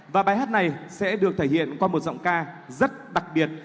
và bài hát này sẽ được thể hiện qua một giọng ca rất đặc biệt